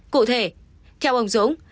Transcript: cụ thể theo ông dũng